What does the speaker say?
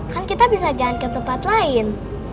kan kita bisa jalan ke tempat lain